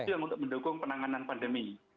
itu yang untuk mendukung penanganan pandemi